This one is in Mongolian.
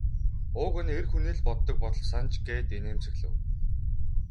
Уг нь эр хүний л боддог бодол санж гээд инээмсэглэв.